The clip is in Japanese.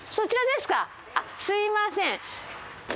すみません。